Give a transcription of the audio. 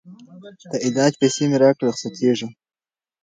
د علاج پیسې مي راکړه رخصتېږم